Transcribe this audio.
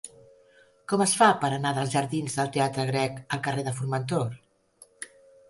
Com es fa per anar dels jardins del Teatre Grec al carrer de Formentor?